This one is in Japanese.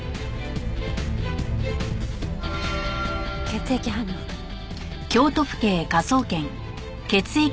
血液反応ね。